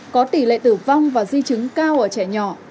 có tỷ lệ tử vong và di chứng cao ở trẻ nhỏ